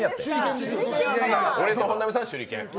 俺と本並さん、手裏剣。